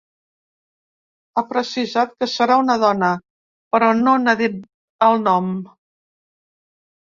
Ha precisat que serà una dona, però no n’ha dit el nom.